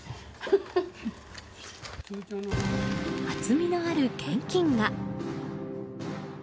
厚みのある現金が。